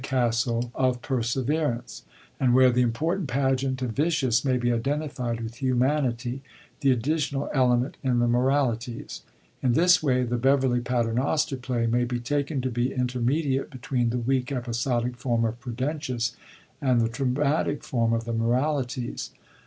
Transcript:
ass THE CONFUCT PLOT IN MORALITIES of Perseverance, and where the important pageant of 'Vicious' may be identified with Humanity, the addi tional element in the Moralities. In this way the Beverley Paiemoster play may be taken to be inter mediate between the weak episodic form of Prudentius and the dramatic form of the Moralities.